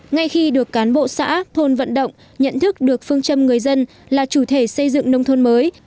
ngay khi được cán bộ xã thôn vận động nhận thức được phương châm người dân là chủ thể xây dựng nông thôn mới